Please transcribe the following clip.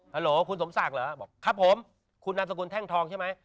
โหลคุณสมศักดิ์เหรอบอกครับผมคุณนามสกุลแท่งทองใช่ไหม